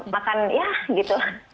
makan ya gitu